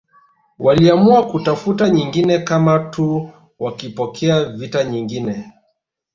Waliamua kutafuta nyingine kama tuu pakitokea vita nyingine